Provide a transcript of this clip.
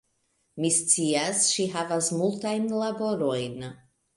Mi scias, ŝi havas multajn laborojn